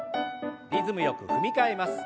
リズムよく踏み替えます。